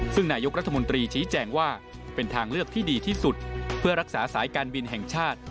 ซึ่งนายกรัฐมนตรีชี้แจงว่าเป็นทางเลือกที่ดีที่สุดเพื่อรักษาสายการบินแห่งชาติ